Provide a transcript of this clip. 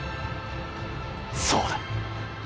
そうだ。